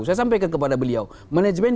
saya sampaikan kepada beliau manajemen